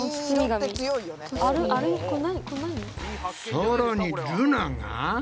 さらにルナが。